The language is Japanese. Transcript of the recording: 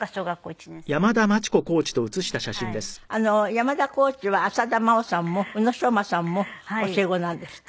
山田コーチは浅田真央さんも宇野昌磨さんも教え子なんですって？